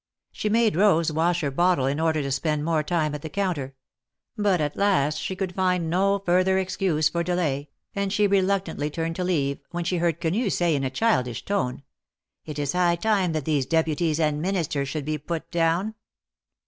She made Rose wash her bottle in order to spend more time at the counter ; but at last she could find no further excuse for delay, and she reluctantly turned to leave, when she heard Quenu say in a childish tone : "It is high time that these Deputies and Ministers should be put down